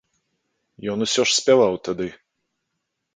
Ён усё ж спяваў тады.